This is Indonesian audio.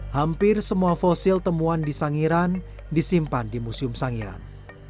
hampir semua fosil temuan di sangiran disimpan di museum sangiran